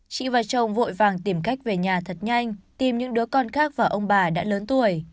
chị và chồng vội vàng tìm cách về nhà thật nhanh tìm những đứa con khác và ông bà đã lớn tuổi